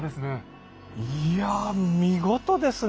いや見事ですね。